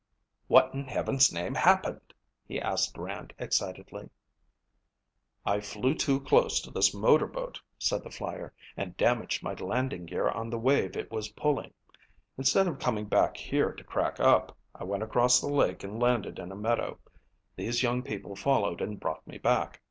"What in heaven's name happened?" he asked Rand excitedly. "I flew too close to this motor boat," said the flyer, "and damaged my landing gear on the wave it was pulling. Instead of coming back here to crack up I went across the lake and landed in a meadow. These young people followed and brought me back.